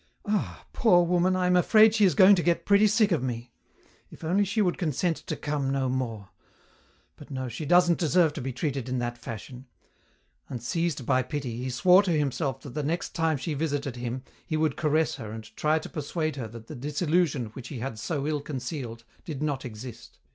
"Ah, poor woman, I am afraid she is going to get pretty sick of me. If only she would consent to come no more! But no, she doesn't deserve to be treated in that fashion," and, seized by pity, he swore to himself that the next time she visited him he would caress her and try to persuade her that the disillusion which he had so ill concealed did not exist.